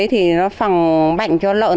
thì nó phòng bệnh cho lợn